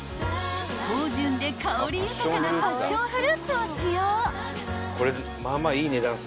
［芳醇で香り豊かなパッションフルーツを使用］